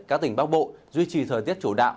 các tỉnh bắc bộ duy trì thời tiết chủ đạo